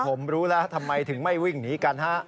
ผมรู้แล้วทำไมถึงไม่วิ่งหนีกันฮะ